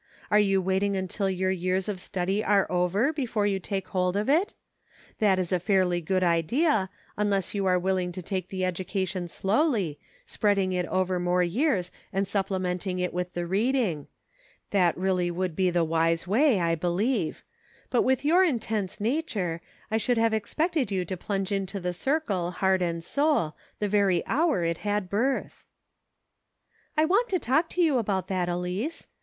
* Are you waiting until your years of study are over before you take hold of it ? That is a fairly good idea, unless you are willing to take the education slowly, spreading it over more years and supplementing it with the reading ; that really would be the wise way, I believe ; but with your intense nature, I should have expected you to plunge into the circle heart and soul, the very hour it had birth." " I want to talk to you about that, Elice.